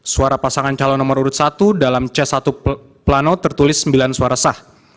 suara pasangan calon nomor urut satu dalam c satu plano tertulis sembilan suara sah